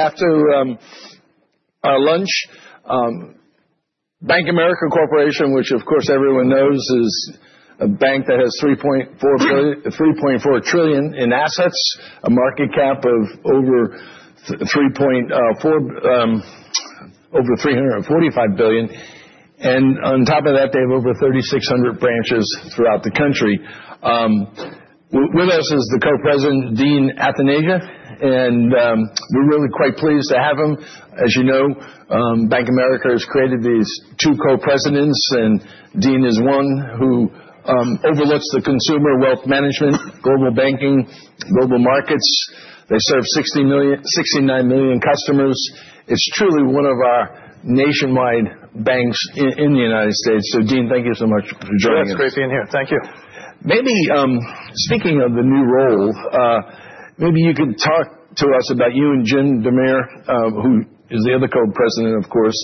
After our lunch, Bank of America Corporation, which of course everyone knows is a bank that has $3.4 trillion in assets, a market cap of over $345 billion. On top of that, they have over 3,600 branches throughout the country. With us is Co-President Dean Athanasia, and we're really quite pleased to have him. As you know, Bank of America has created these two Co-Presidents, and Dean is one who overlooks the consumer wealth management, global banking, global markets. They serve 69 million customers. It's truly one of our nationwide banks in the United States. Dean, thank you so much for joining us. Sure. It's great being here. Thank you. Maybe speaking of the new role, maybe you could talk to us about you and Jim DeMare, who is the other Co-President, of course,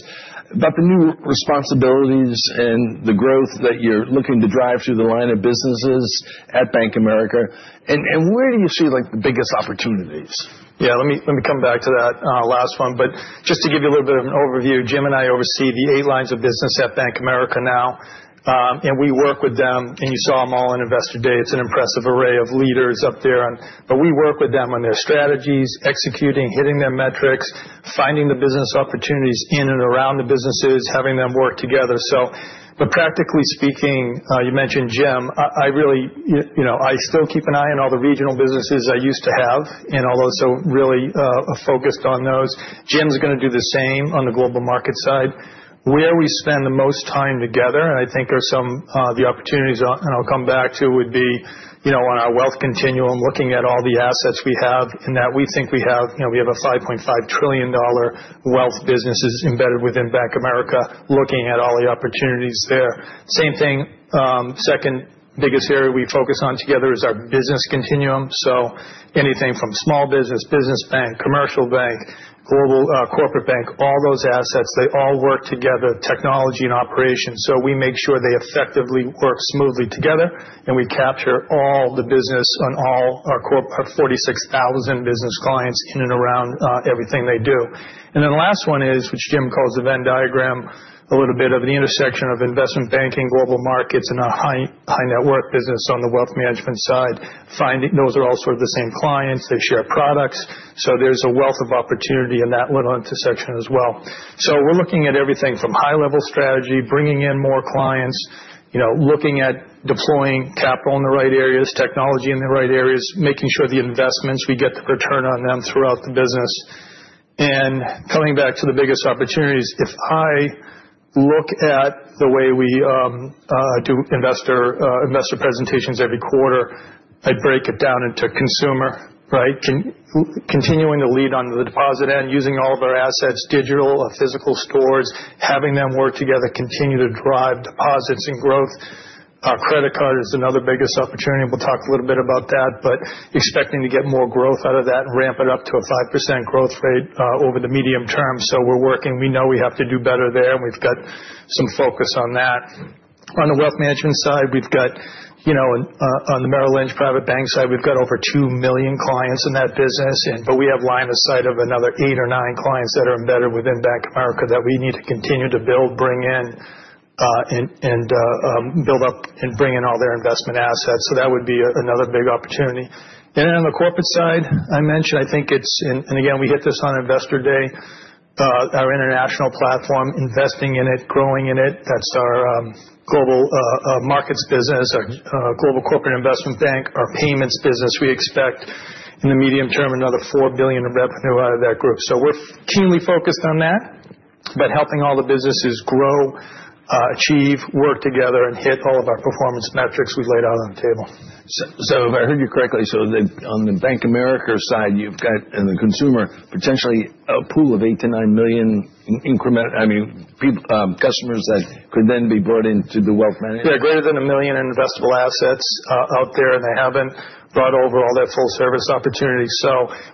about the new responsibilities and the growth that you're looking to drive through the line of businesses at Bank of America. Where do you see, like, the biggest opportunities? Yeah. Let me come back to that last one. Just to give you a little bit of an overview, Jim and I oversee the eight lines of business at Bank of America now. We work with them, and you saw them all on Investor Day. It's an impressive array of leaders up there. We work with them on their strategies, executing, hitting their metrics, finding the business opportunities in and around the businesses, having them work together. Practically speaking, you mentioned Jim. I really, you know, I still keep an eye on all the regional businesses I used to have, and although so really focused on those. Jim's gonna do the same on the global market side. Where we spend the most time together, and I think are some of the opportunities I'll come back to would be, you know, on our wealth continuum, looking at all the assets we have in that we think we have. You know, we have a $5.5 trillion wealth business embedded within Bank of America, looking at all the opportunities there. Same thing, second biggest area we focus on together is our business continuum, so anything from small business bank, commercial bank, global corporate bank, all those assets, they all work together, technology and operations. We make sure they effectively work smoothly together, and we capture all the business on all our corporate, our 46,000 business clients in and around everything they do. The last one is, which Jim calls the Venn diagram, a little bit of the intersection of Investment Banking, Global Markets, and a high net worth business on the wealth management side. Finding those are all sort of the same clients. They share products. There's a wealth of opportunity in that little intersection as well. We're looking at everything from high-level strategy, bringing in more clients, you know, looking at deploying capital in the right areas, technology in the right areas, making sure the investments we get the return on them throughout the business. Coming back to the biggest opportunities, if I look at the way we do investor presentations every quarter, I'd break it down into consumer, right? Continuing to lead on the deposit end, using all of our assets, digital or physical stores, having them work together, continue to drive deposits and growth. Credit card is another biggest opportunity, and we'll talk a little bit about that, but expecting to get more growth out of that and ramp it up to a 5% growth rate, over the medium term. We're working. We know we have to do better there, and we've got some focus on that. On the wealth management side, we've got, you know, on the Merrill Lynch Private Bank side, we've got over 2 million clients in that business. We have line of sight of another eight or nine clients that are embedded within Bank of America that we need to continue to build up and bring in all their investment assets. That would be another big opportunity. On the corporate side, I mentioned, and again, we hit this on Investor Day. Our international platform, investing in it, growing in it. That's our global markets business, our Global Corporate Investment Bank. Our payments business, we expect in the medium term, another $4 billion of revenue out of that group. We're keenly focused on that. Helping all the businesses grow, achieve, work together, and hit all of our performance metrics we've laid out on the table. If I heard you correctly, on the Bank of America side, you've got in the consumer, potentially a pool of 8 million-9 million customers that could then be brought in to the wealth management? Yeah, greater than $1 million in investable assets out there, and they haven't brought over all their full service opportunities.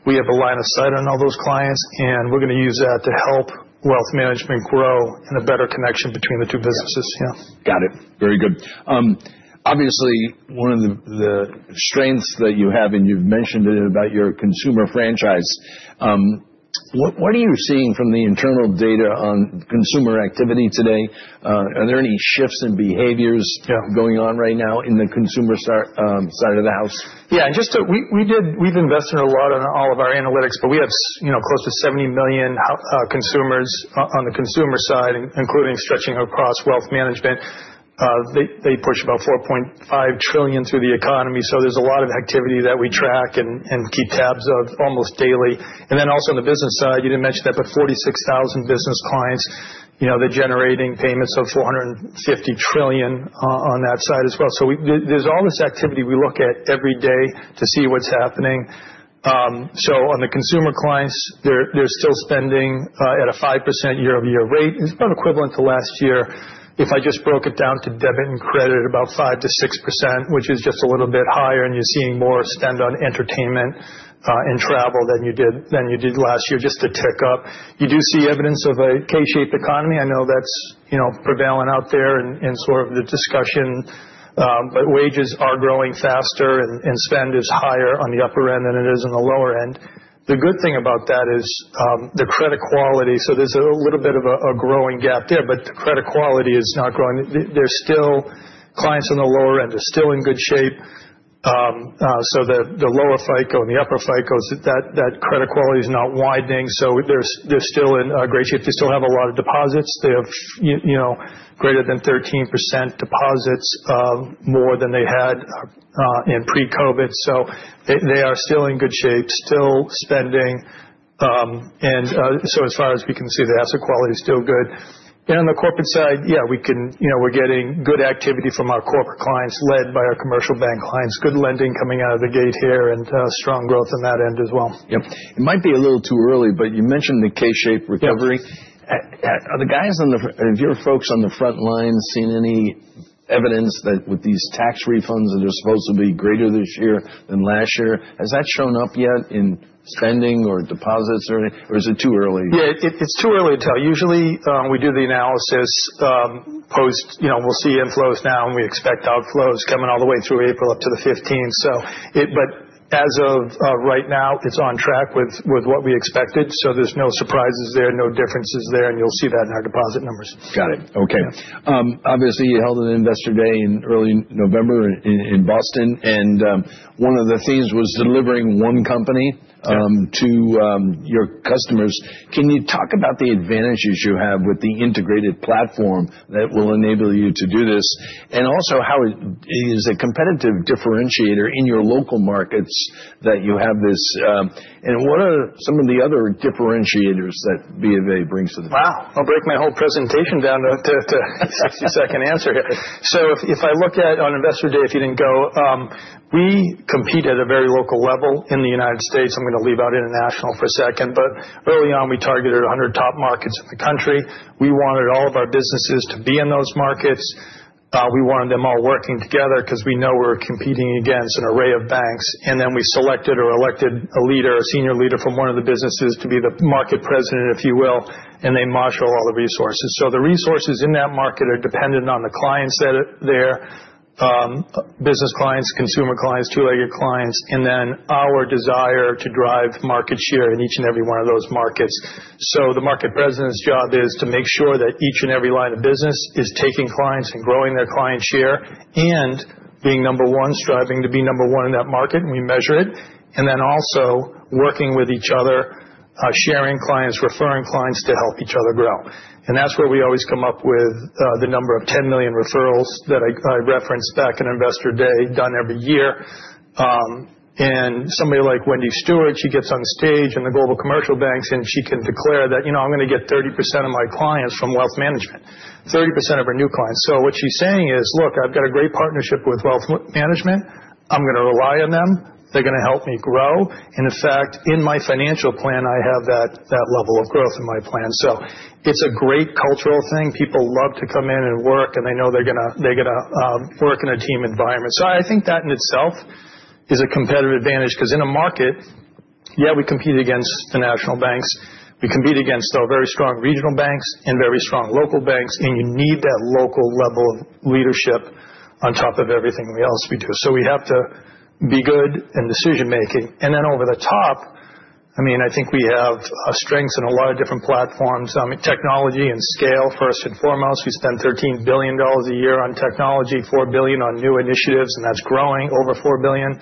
We have a line of sight on all those clients, and we're gonna use that to help wealth management grow and a better connection between the two businesses. Yeah. Got it. Very good. Obviously, one of the strengths that you have, and you've mentioned it about your consumer franchise, what are you seeing from the internal data on consumer activity today? Are there any shifts in behaviors- Yeah. ...going on right now in the consumer side of the house? We've invested a lot in all of our analytics, but we have, you know, close to 70 million consumers on the consumer side, including stretching across wealth management. They push about $4.5 trillion through the economy, so there's a lot of activity that we track and keep tabs on almost daily. On the business side, you didn't mention that, the 46,000 business clients, you know, they're generating payments of $450 trillion on that side as well. There's all this activity we look at every day to see what's happening. On the consumer clients, they're still spending at a 5% year-over-year rate. It's about equivalent to last year. If I just broke it down to debit and credit, about 5%-6%, which is just a little bit higher, and you're seeing more spend on entertainment and travel than you did last year. Just a tick up. You do see evidence of a K-shaped economy. I know that's, you know, prevailing out there in sort of the discussion. Wages are growing faster and spend is higher on the upper end than it is on the lower end. The good thing about that is the credit quality. There's a little bit of a growing gap there, but the credit quality is not growing. There's still clients on the lower end. They're still in good shape. The lower FICO and the upper FICOs, that credit quality is not widening. They're still in great shape. They still have a lot of deposits. They have, you know, greater than 13% deposits, more than they had in pre-COVID. They are still in good shape, still spending. As far as we can see, the asset quality is still good. On the corporate side, yeah, we can. You know, we're getting good activity from our corporate clients led by our commercial bank clients. Good lending coming out of the gate here and strong growth on that end as well. Yep. It might be a little too early, but you mentioned the K-shaped recovery. Yeah. Have your folks on the front line seen any evidence that with these tax refunds that are supposed to be greater this year than last year, has that shown up yet in spending or deposits or is it too early? Yeah. It's too early to tell. Usually, we do the analysis post. You know, we'll see inflows now, and we expect outflows coming all the way through April up to the 15th, so it. As of right now, it's on track with what we expected, so there's no surprises there, no differences there, and you'll see that in our deposit numbers. Got it. Okay. Yeah. Obviously, you held an Investor Day in early November in Boston, and one of the themes was delivering one company- Yeah ...to your customers. Can you talk about the advantages you have with the integrated platform that will enable you to do this? How is a competitive differentiator in your local markets that you have this, and what are some of the other differentiators that BofA brings to the table? Wow. I'll break my whole presentation down to a 60-second answer here. If I look at on Investor Day, if you didn't go, we compete at a very local level in the United States. I'm gonna leave out international for a second. Early on, we targeted 100 top markets in the country. We wanted all of our businesses to be in those markets. We wanted them all working together because we know we're competing against an array of banks. We selected or elected a leader, a senior leader from one of the businesses to be the market president, if you will, and they marshal all the resources. The resources in that market are dependent on the clients that are there, business clients, consumer clients, two-legged clients, and then our desire to drive market share in each and every one of those markets. The market president's job is to make sure that each and every line of business is taking clients and growing their client share and being number one, striving to be number one in that market, and we measure it, also working with each other, sharing clients, referring clients to help each other grow. That's where we always come up with the number of 10 million referrals that I referenced back in Investor Day, done every year. Somebody like Wendy Stewart, she gets on stage in Global Commercial Banking, and she can declare that, "You know, I'm gonna get 30% of my clients from wealth management," 30% of her new clients. What she's saying is, "Look, I've got a great partnership with wealth management. I'm gonna rely on them. They're gonna help me grow. In fact, in my financial plan, I have that level of growth in my plan." It's a great cultural thing. People love to come in and work, and they know they're gonna work in a team environment. I think that in itself is a competitive advantage because in a market, yeah, we compete against the national banks. We compete against very strong regional banks and very strong local banks, and you need that local level of leadership on top of everything else we do. We have to be good in decision-making. Over the top, I mean, I think we have strengths in a lot of different platforms. I mean, technology and scale, first and foremost. We spend $13 billion a year on technology, $4 billion on new initiatives, and that's growing over $4 billion.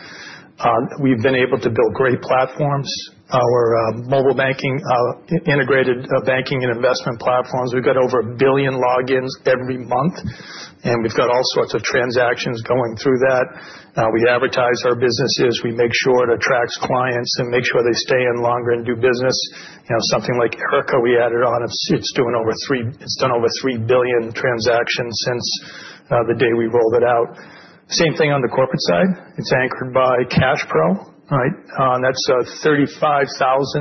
We've been able to build great platforms. Our mobile banking integrated banking and investment platforms. We've got over 1 billion logins every month, and we've got all sorts of transactions going through that. We advertise our businesses. We make sure it attracts clients to make sure they stay in longer and do business. You know, something like Erica we added on. It's done over 3 billion transactions since the day we rolled it out. Same thing on the corporate side. It's anchored by CashPro, right? 35,000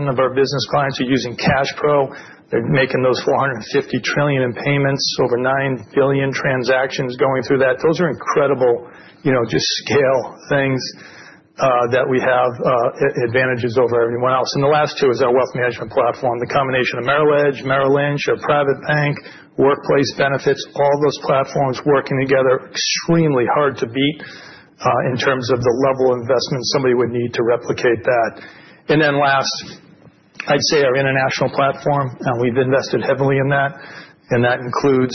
of our business clients are using CashPro. They're making those $450 trillion in payments, over 9 billion transactions going through that. Those are incredible, you know, just scale things that we have advantages over everyone else. The last two is our wealth management platform, the combination of Merrill Edge, Merrill Lynch, our private bank, workplace benefits, all those platforms working together extremely hard to beat in terms of the level of investment somebody would need to replicate that. Then last, I'd say our international platform. We've invested heavily in that, and that includes,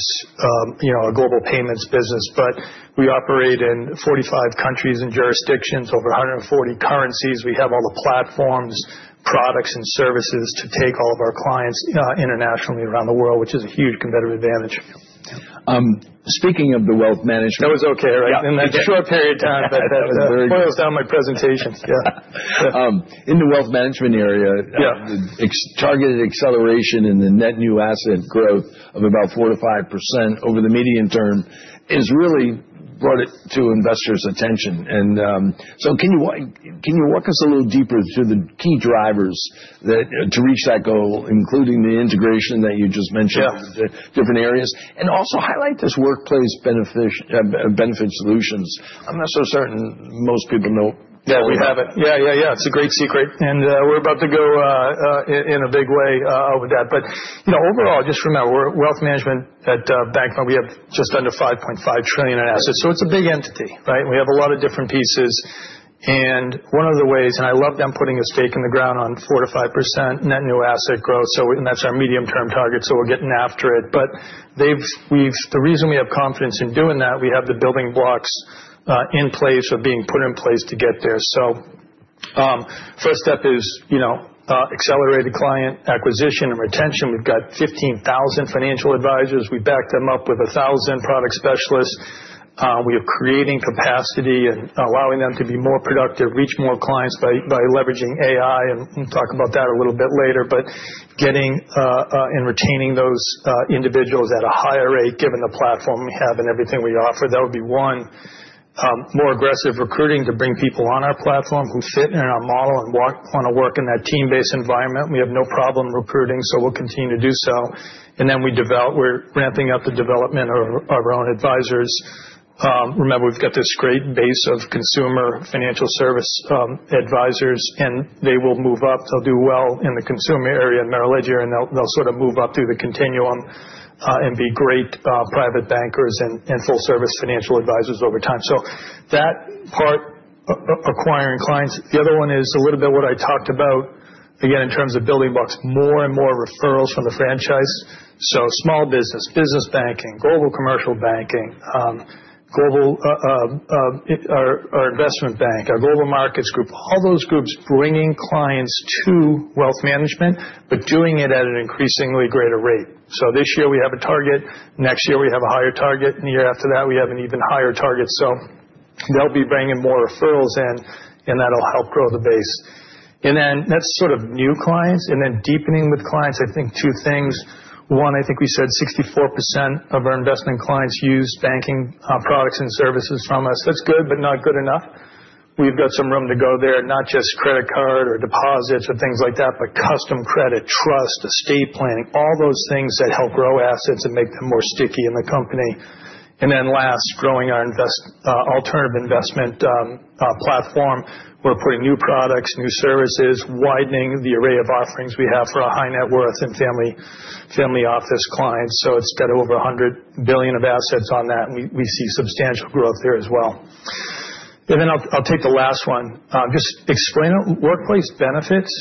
you know, a global payments business. We operate in 45 countries and jurisdictions, over 140 currencies. We have all the platforms, products, and services to take all of our clients internationally around the world, which is a huge competitive advantage. Speaking of the wealth management. That was okay, right? Yeah. In that short period of time, but that was one of those down my presentations. Yeah. In the wealth management area. Yeah Targeted acceleration in the net new asset growth of about 4%-5% over the medium term has really brought it to investors' attention. Can you walk us a little deeper through the key drivers to reach that goal, including the integration that you just mentioned- Yeah ...the different areas? Also highlight this Workplace Benefits. I'm not so certain most people know all of that. Yeah, we have it. Yeah. It's a great secret, and we're about to go in a big way with that. You know, overall, just remember, we're wealth management at Bank, we have just under $5.5 trillion in assets, so it's a big entity, right? We have a lot of different pieces. One of the ways, and I love them putting a stake in the ground on 4%-5% net new asset growth. That's our medium-term target, so we're getting after it. We've the reason we have confidence in doing that, we have the building blocks in place or being put in place to get there. First step is you know, accelerated client acquisition and retention. We've got 15,000 financial advisors. We backed them up with 1,000 product specialists. We are creating capacity and allowing them to be more productive, reach more clients by leveraging AI, and we'll talk about that a little bit later. Getting and retaining those individuals at a higher rate given the platform we have and everything we offer, that would be one. More aggressive recruiting to bring people on our platform who fit in our model and want to work in that team-based environment. We have no problem recruiting, so we'll continue to do so. We're ramping up the development of our own advisors. Remember, we've got this great base of consumer financial service advisors, and they will move up. They'll do well in the consumer area in Merrill Edge, and they'll sort of move up through the continuum, and be great, private bankers and full-service financial advisors over time. That part, acquiring clients. The other one is a little bit what I talked about, again, in terms of building blocks, more and more referrals from the franchise. Small business banking, Global Commercial Banking, global, our Investment Bank, our Global Markets group, all those groups bringing clients to wealth management, but doing it at an increasingly greater rate. This year we have a target. Next year we have a higher target, and the year after that we have an even higher target. They'll be bringing more referrals in, and that'll help grow the base. That's sort of new clients, and then deepening with clients, I think two things. One, I think we said 64% of our investment clients use banking products and services from us. That's good, but not good enough. We've got some room to go there, not just credit card or deposits or things like that, but custom credit, trust, estate planning, all those things that help grow assets and make them more sticky in the company. Last, growing our alternative investment platform. We're putting new products, new services, widening the array of offerings we have for our high net worth and family office clients. It's got over $100 billion of assets on that, and we see substantial growth there as well. I'll take the last one. Just explain it. Workplace Benefits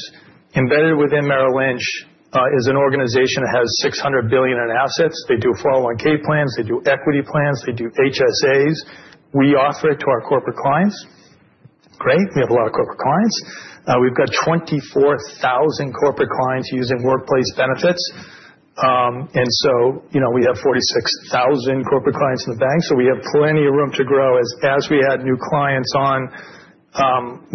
embedded within Merrill Lynch is an organization that has $600 billion in assets. They do 401(k) plans. They do equity plans. They do HSAs. We offer it to our corporate clients. Great. We have a lot of corporate clients. We've got 24,000 corporate clients using Workplace Benefits. And so, you know, we have 46,000 corporate clients in the bank, so we have plenty of room to grow. As we add new clients on,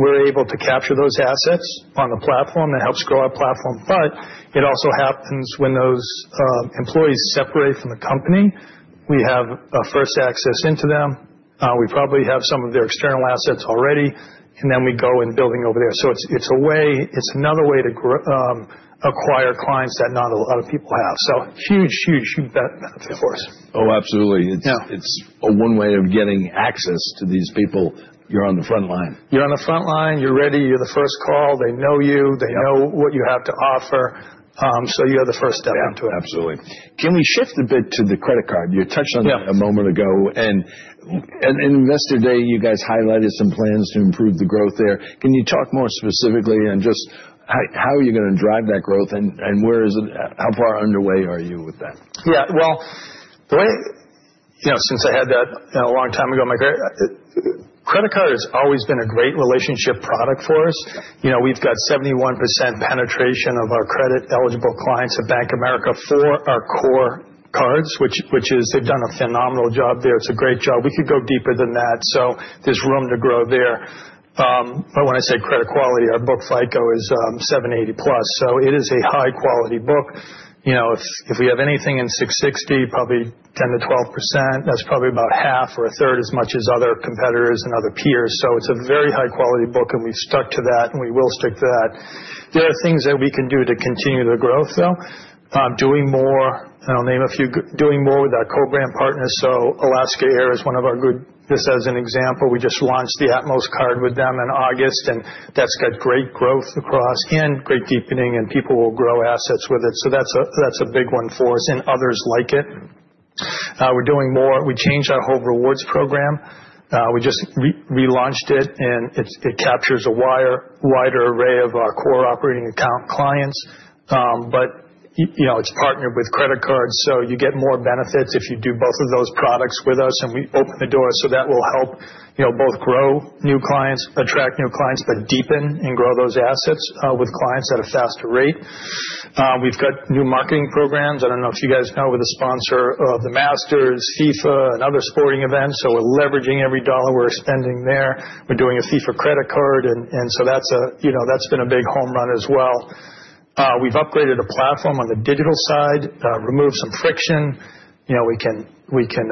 we're able to capture those assets on the platform. That helps grow our platform. It also happens when those employees separate from the company. We have a first access into them. We probably have some of their external assets already, and then we go in building over there. It's another way to acquire clients that not a lot of people have. Huge benefit for us. Oh, absolutely. Yeah. It's one way of getting access to these people. You're on the front line. You're on the front line. You're ready. You're the first call. They know you. They know. Yeah. What you have to offer. You're the first step into it. Yeah, absolutely. Can we shift a bit to the credit card? You touched on it. Yeah. A moment ago. In Investor Day, you guys highlighted some plans to improve the growth there. Can you talk more specifically on just how are you going to drive that growth and where is it? How far underway are you with that? Yeah. Well, you know, since I had that a long time ago, my credit card has always been a great relationship product for us. You know, we've got 71% penetration of our credit-eligible clients at Bank of America for our core cards, which is they've done a phenomenal job there. It's a great job. We could go deeper than that. There's room to grow there. But when I say credit quality, our book FICO is 780+. It is a high-quality book. You know, if we have anything in 660, probably 10%-12%, that's probably about half or a third as much as other competitors and other peers. It's a very high-quality book, and we've stuck to that, and we will stick to that. There are things that we can do to continue the growth, though. Doing more, and I'll name a few. Doing more with our co-brand partners. Alaska Air is one of our good. Just as an example, we just launched the Atmos card with them in August, and that's got great growth across and great deepening, and people will grow assets with it. That's a big one for us and others like it. We're doing more. We changed our whole rewards program. We just relaunched it, and it captures a wider array of our core operating account clients. You know, it's partnered with credit cards, so you get more benefits if you do both of those products with us, and we open the door. That will help, you know, both grow new clients, attract new clients, but deepen and grow those assets with clients at a faster rate. We've got new marketing programs. I don't know if you guys know we're the sponsor of the Masters, FIFA, and other sporting events, so we're leveraging every dollar we're spending there. We're doing a FIFA credit card and so that's a you know that's been a big home run as well. We've upgraded a platform on the digital side, removed some friction. You know, we can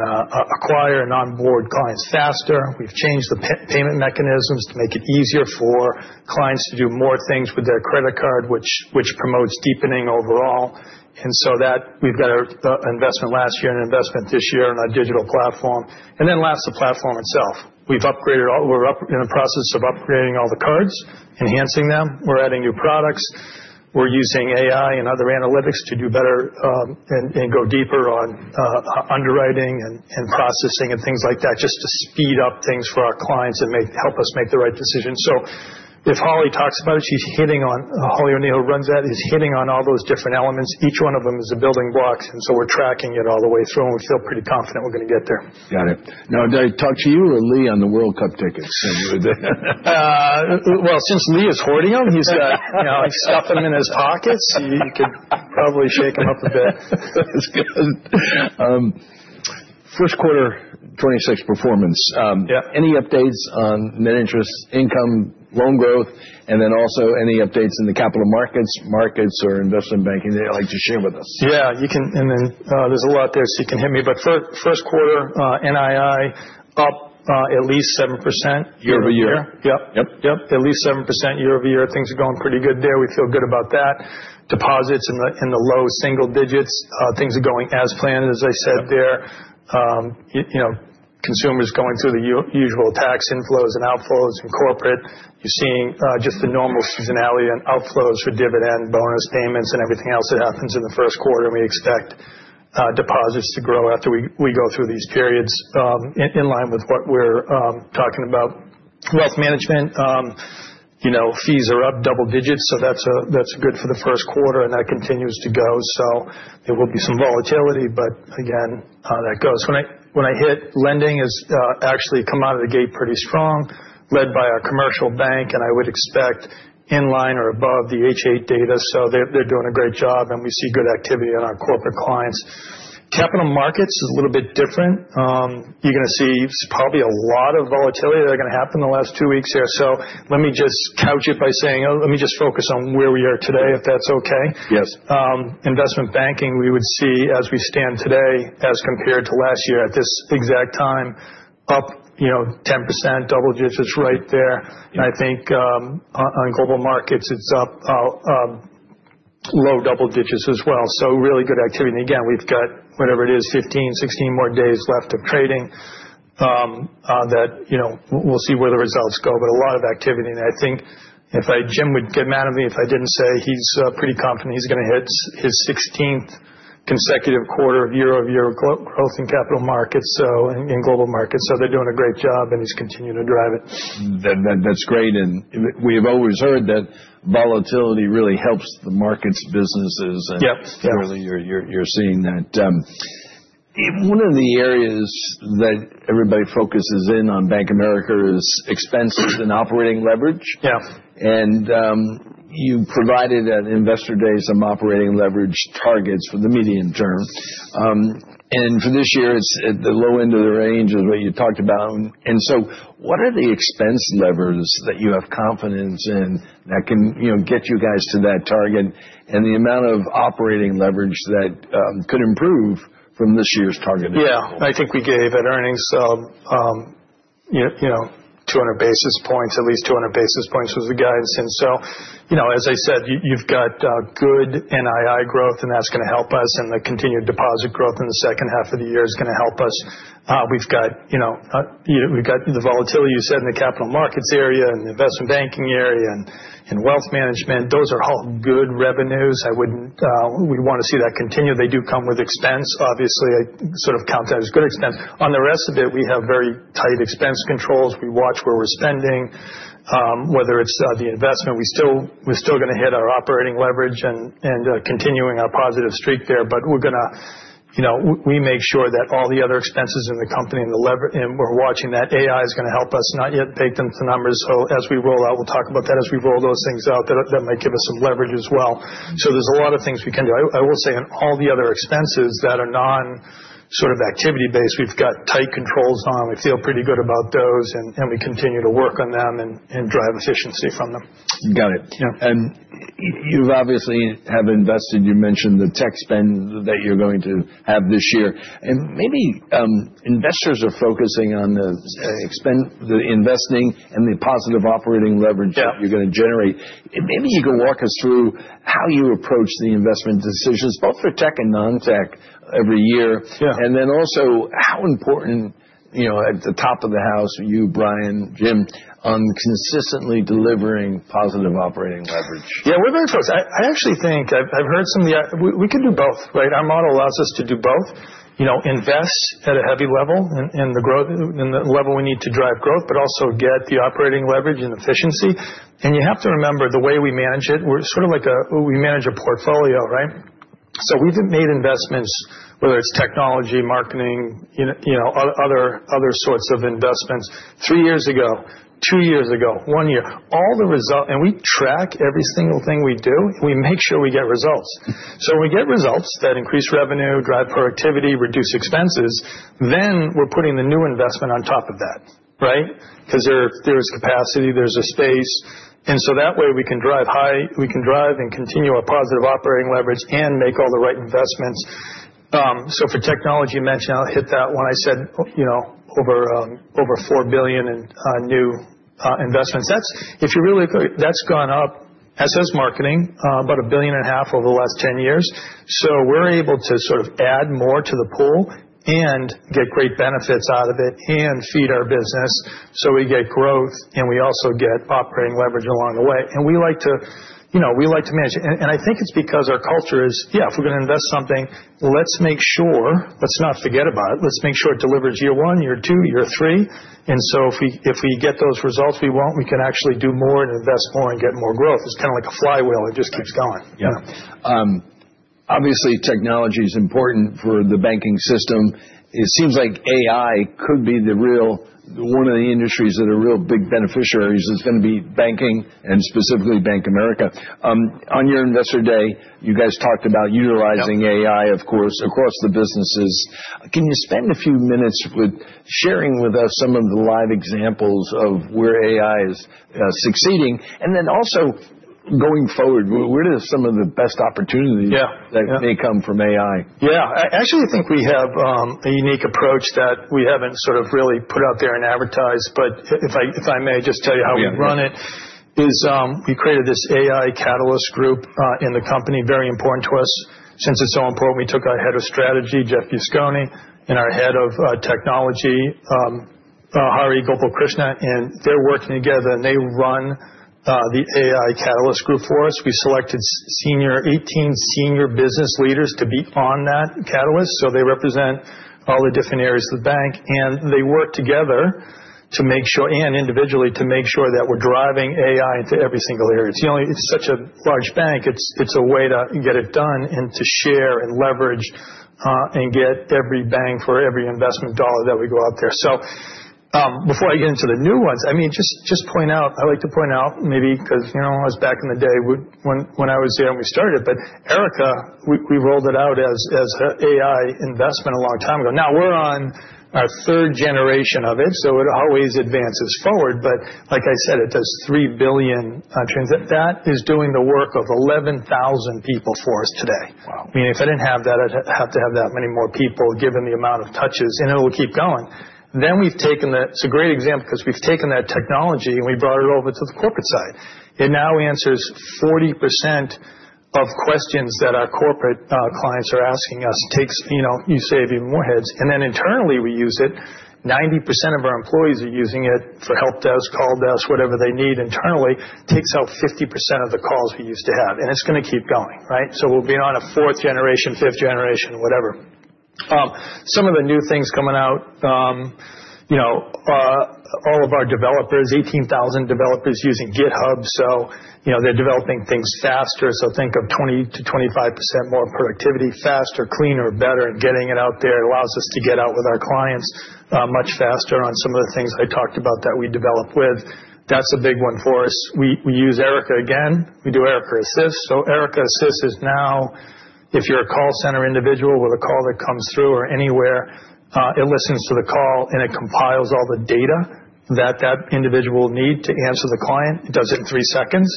acquire and onboard clients faster. We've changed the payment mechanisms to make it easier for clients to do more things with their credit card, which promotes deepening overall. That we've got our investment last year and investment this year in our digital platform. Last, the platform itself. We've upgraded all. We're in the process of upgrading all the cards, enhancing them. We're adding new products. We're using AI and other analytics to do better, and go deeper on underwriting and processing and things like that, just to speed up things for our clients and help us make the right decisions. If Holly talks about it, she's hitting on Holly O'Neill, who runs that, is hitting on all those different elements. Each one of them is the building blocks, and we're tracking it all the way through, and we feel pretty confident we're going to get there. Got it. Now, did I talk to you or Lee on the World Cup tickets the other day? Well, since Lee is hoarding them, he's got, you know, he stuffed them in his pockets. You could probably shake him up a bit. That's good. First quarter, 2026 performance. Yeah. Any updates on net interest income, loan growth? Then also any updates in the capital markets or Investment Banking that you'd like to share with us? Yeah, you can. There's a lot there, so you can hit me. First quarter, NII up at least 7% year-over-year. Year-over-year. Yep. Yep. Yep, at least 7% year-over-year. Things are going pretty good there. We feel good about that. Deposits in the low single digits. Things are going as planned, as I said there. You know, consumers going through the usual tax inflows and outflows from corporate. You're seeing just the normal seasonality and outflows for dividend bonus payments and everything else that happens in the first quarter. We expect deposits to grow after we go through these periods in line with what we're talking about. Wealth management, you know, fees are up double digits, so that's good for the first quarter, and that continues to go. There will be some volatility, but again, that goes. When I get to lending, it's actually come out of the gate pretty strong, led by our commercial bank, and I would expect in line or above the H8 data. They're doing a great job, and we see good activity in our corporate clients. Capital markets is a little bit different. You're gonna see probably a lot of volatility that's gonna happen in the last two weeks here. Let me just couch it by saying, let me just focus on where we are today, if that's okay. Yes. Investment Banking, we would see as we stand today, as compared to last year at this exact time, up, you know, 10%, double digits right there. I think, on Global Markets, it's up, low double digits as well. Really good activity. We've got whatever it is, 15, 16 more days left of trading, you know, we'll see where the results go. A lot of activity. I think Jim would get mad at me if I didn't say he's pretty confident he's gonna hit his 16th consecutive quarter of year-over-year growth in capital markets, so in global markets. They're doing a great job, and he's continuing to drive it. That's great. We've always heard that volatility really helps the markets businesses. Yep. Yep. Clearly you're seeing that. One of the areas that everybody focuses in on Bank of America is expenses and operating leverage. Yeah. You provided at Investor Day some operating leverage targets for the medium term. For this year, it's at the low end of the range, is what you talked about. What are the expense levers that you have confidence in that can, you know, get you guys to that target and the amount of operating leverage that could improve from this year's target? Yeah. I think we gave at earnings, you know, 200 basis points. At least 200 basis points was the guidance. You know, as I said, you've got good NII growth, and that's gonna help us, and the continued deposit growth in the second half of the year is gonna help us. We've got you know the volatility you said in the capital markets area and the investment banking area and wealth management. Those are all good revenues. We'd want to see that continue. They do come with expense. Obviously, I sort of count that as good expense. On the rest of it, we have very tight expense controls. We watch where we're spending, whether it's the investment. We're still gonna hit our operating leverage and continuing our positive streak there, but we're gonna, you know, we make sure that all the other expenses in the company and we're watching that. AI is gonna help us, not yet baked into numbers. As we roll out, we'll talk about that as we roll those things out, that might give us some leverage as well. There's a lot of things we can do. I will say on all the other expenses that are non sort of activity based, we've got tight controls on. We feel pretty good about those, and we continue to work on them and drive efficiency from them. Got it. Yeah. You've obviously invested. You mentioned the tech spend that you're going to have this year. Maybe investors are focusing on the spend, the investing and the positive operating leverage- Yeah. ...that you're gonna generate. Maybe you can walk us through how you approach the investment decisions both for tech and non-tech every year. Yeah. How important, you know, at the top of the house, you, Brian, Jim, on consistently delivering positive operating leverage. Yeah, we're very focused. We can do both, right? Our model allows us to do both. You know, invest at a heavy level in the level we need to drive growth, but also get the operating leverage and efficiency. You have to remember the way we manage it, we're sort of like a, we manage a portfolio, right? We've made investments, whether it's technology, marketing, you know, other sorts of investments. Three years ago, two years ago, one year. All the results. We track every single thing we do. We make sure we get results. We get results that increase revenue, drive productivity, reduce expenses. We're putting the new investment on top of that, right? Because there's capacity, there's a space. That way we can drive higher, we can drive and continue our positive operating leverage and make all the right investments. For technology, you mentioned, I'll hit that one. I said over $4 billion in new investments. That's. If you really look, that's gone up as has marketing about $1.5 billion over the last 10 years. We're able to sort of add more to the pool and get great benefits out of it and feed our business so we get growth, and we also get operating leverage along the way. We like to manage. I think it's because our culture is if we're gonna invest something, let's make sure. Let's not forget about it. Let's make sure it delivers year one, year two, year three. If we get those results we want, we can actually do more and invest more and get more growth. It's kind of like a flywheel. It just keeps going. Obviously, technology is important for the banking system. It seems like AI could be one of the industries that are real big beneficiaries is going to be banking and specifically Bank of America. On your Investor Day, you guys talked about utilizing- Yeah. ...AI, of course, across the businesses. Can you spend a few minutes with sharing with us some of the live examples of where AI is succeeding? Also going forward, where are some of the best opportunities- Yeah. Yeah. ...that may come from AI? Yeah. I actually think we have a unique approach that we haven't sort of really put out there and advertised. If I may just tell you how we run it. Yeah. This is, we created this AI catalyst group in the company, very important to us. Since it's so important, we took our Head of Strategy, Jeff Busconi, and our Head of Technology, Hari Gopalkrishnan, and they're working together, and they run the AI catalyst group for us. We selected 18 senior business leaders to be on that catalyst. They represent all the different areas of the bank, and they work together and individually to make sure that we're driving AI into every single area. It's such a large bank, it's a way to get it done and to share and leverage, and get every bang for every buck that we put out there. Before I get into the new ones, I mean, just point out. I like to point out maybe because, you know, it was back in the day when I was there when we started, but Erica, we rolled it out as an AI investment a long time ago. Now we're on our third generation of it, so it always advances forward. Like I said, it does 3 billion transactions. That is doing the work of 11,000 people for us today. Wow. I mean, if I didn't have that, I'd have to have that many more people given the amount of touches, and it will keep going. We've taken. It's a great example because we've taken that technology, and we brought it over to the corporate side. It now answers 40% of questions that our corporate clients are asking us. Takes, you know, you save even more heads. Internally, we use it. 90% of our employees are using it for help desk, call desk, whatever they need internally. Takes out 50% of the calls we used to have, and it's going to keep going, right? We'll be on a fourth generation, fifth generation, whatever. Some of the new things coming out, you know, all of our developers, 18,000 developers using GitHub, so, you know, they're developing things faster. Think of 20%-25% more productivity, faster, cleaner, better at getting it out there. It allows us to get out with our clients much faster on some of the things I talked about that we develop with. That's a big one for us. We use Erica again. We do Erica Assist. Erica Assist is now if you're a call center individual with a call that comes through or anywhere, it listens to the call, and it compiles all the data that that individual need to answer the client. It does it in three seconds.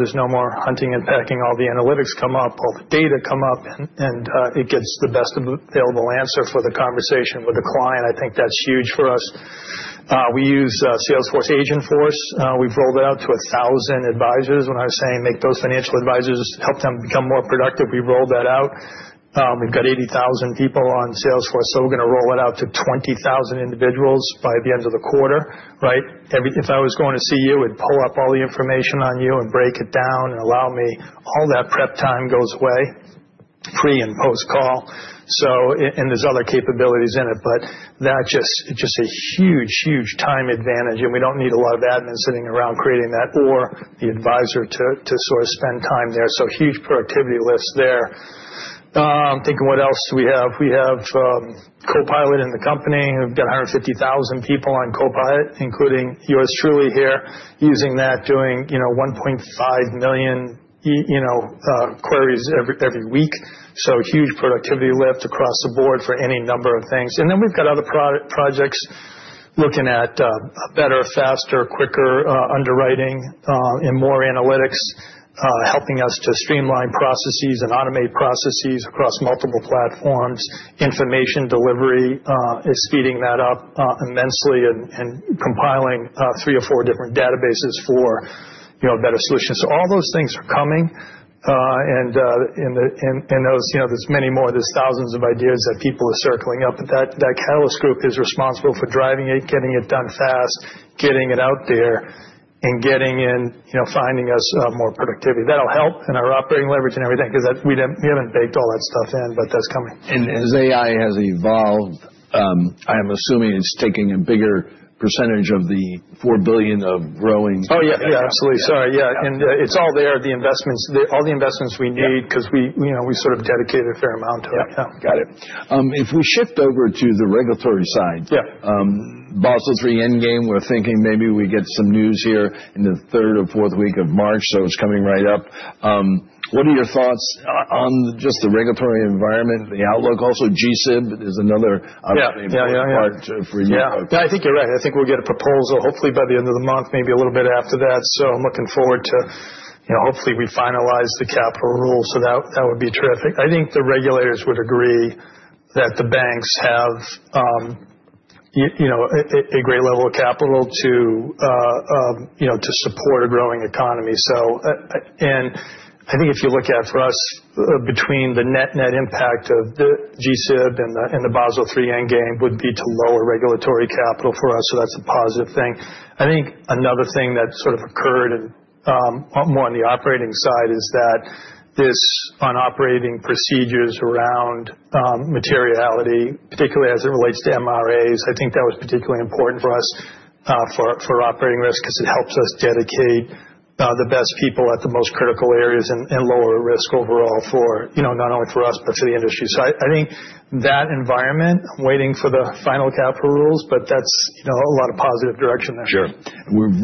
There's no more hunting and pecking. All the analytics come up, all the data come up, and it gets the best available answer for the conversation with the client. I think that's huge for us. We use Salesforce Agentforce. We've rolled it out to 1,000 advisors. When I was saying make those financial advisors, help them become more productive, we've rolled that out. We've got 80,000 people on Salesforce, so we're gonna roll it out to 20,000 individuals by the end of the quarter, right? If I was going to see you, it'd pull up all the information on you and break it down and allow me. All that prep time goes away, pre- and post-call. There's other capabilities in it, but that's just a huge time advantage, and we don't need a lot of admin sitting around creating that or the advisor to sort of spend time there. Huge productivity lift there. I'm thinking, what else do we have? We have Copilot in the company. We've got 150,000 people on Copilot, including yours truly here, using that, doing, you know, 1.5 million queries every week. Huge productivity lift across the board for any number of things. We've got other projects looking at a better, faster, quicker underwriting and more analytics helping us to streamline processes and automate processes across multiple platforms. Information delivery is speeding that up immensely and compiling three or four different databases for, you know, better solutions. All those things are coming. Those, you know, there's many more. There's thousands of ideas that people are circling up, but that catalyst group is responsible for driving it, getting it done fast, getting it out there, and getting in, you know, finding us more productivity. That'll help in our operating leverage and everything because we didn't, we haven't baked all that stuff in, but that's coming. As AI has evolved, I'm assuming it's taking a bigger percentage of the 4 billion of growing- Oh, yeah. Yeah, absolutely. Sorry. Yeah. Yeah. It's all there, the investments. All the investments we need. Yeah. Because we, you know, we sort of dedicated a fair amount to it. Yeah. Got it. If we shift over to the regulatory side. Yeah. Basel III Endgame, we're thinking maybe we get some news here in the third or fourth week of March, so it's coming right up. What are your thoughts on just the regulatory environment, the outlook? Also, G-SIB is another. Yeah. Item for you. Yeah. No, I think you're right. I think we'll get a proposal hopefully by the end of the month, maybe a little bit after that. I'm looking forward to, you know, hopefully we finalize the capital rule. That would be terrific. I think the regulators would agree that the banks have you know, a great level of capital to you know, to support a growing economy. I think if you look at, for us, between the net-net impact of the G-SIB and the Basel III Endgame would be to lower regulatory capital for us. That's a positive thing. I think another thing that sort of occurred and more on the operating side is that operating procedures around materiality, particularly as it relates to MRAs. I think that was particularly important for us, for operating risk because it helps us dedicate the best people at the most critical areas and lower risk overall, you know, not only for us, but for the industry. I think that environment, waiting for the final capital rules, but that's, you know, a lot of positive direction there. Sure. We've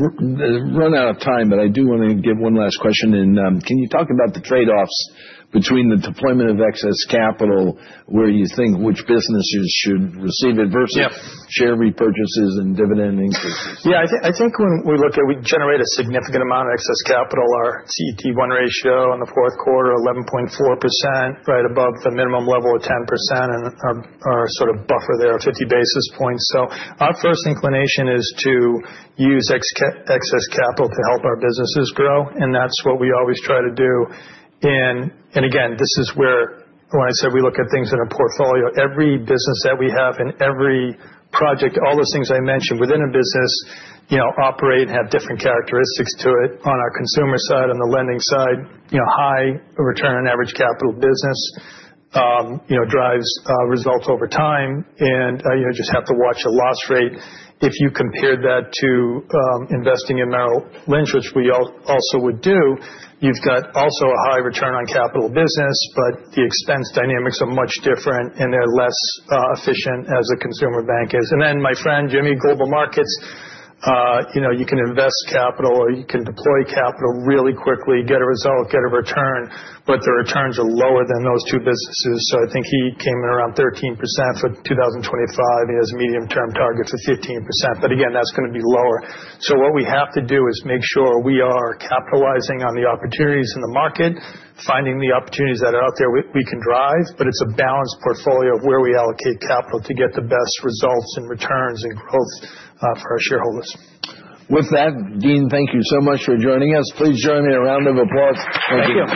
run out of time, but I do wanna get one last question in. Can you talk about the trade-offs between the deployment of excess capital, where you think which businesses should receive it- Yeah ...versus share repurchases and dividend increases? Yeah, I think when we look at we generate a significant amount of excess capital, our CET1 ratio in the fourth quarter, 11.4%, right above the minimum level of 10% and our sort of buffer there of 50 basis points. Our first inclination is to use excess capital to help our businesses grow, and that's what we always try to do. Again, this is where when I said we look at things in a portfolio. Every business that we have and every project, all those things I mentioned within a business, you know, operate and have different characteristics to it. On our consumer side, on the lending side, you know, high return on average capital business, you know, drives results over time. You just have to watch a loss rate. If you compared that to investing in Merrill Lynch, which we also would do, you've got also a high return on capital business, but the expense dynamics are much different, and they're less efficient as a consumer bank is. Then my friend Jimmy, Global Markets, you know, you can invest capital or you can deploy capital really quickly, get a result, get a return, but the returns are lower than those two businesses. I think he came in around 13% for 2025. He has a medium-term target for 15%. Again, that's gonna be lower. What we have to do is make sure we are capitalizing on the opportunities in the market, finding the opportunities that are out there we can drive, but it's a balanced portfolio of where we allocate capital to get the best results and returns and growth for our shareholders. With that, Dean, thank you so much for joining us. Please join me in a round of applause. Thank you.